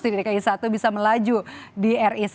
di dki satu bisa melaju di ri satu